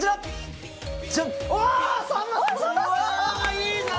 いいな！